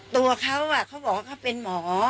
ตัวเขาเขาบอกว่าเขาเป็นหมอ